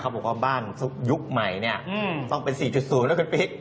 เขาบอกว่าบ้านในยุคใหม่ต้องเป็น๔๐นะคุณปิ๊ก